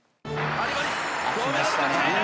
きましたね。